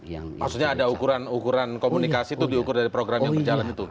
maksudnya ada ukuran ukuran komunikasi itu diukur dari program yang berjalan itu